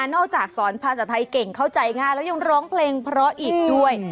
นอกจากสอนภาษาไทยเก่งเข้าใจง่ายแล้วยังร้องเพลงเพราะอีกด้วย